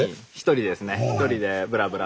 １人ですね。